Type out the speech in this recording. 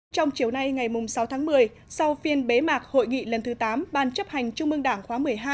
trong chiều nay ngày sáu tháng một mươi sau phiên bế mạc hội nghị lần thứ tám ban chấp hành trung ương đảng khóa một mươi hai